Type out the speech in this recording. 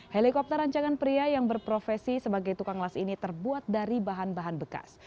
helikopter rancangan pria yang berprofesi sebagai tukang las ini terbuat dari bahan bahan bekas